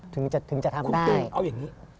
ถึงจะทำได้ณคุณตรงเอาอย่างนี้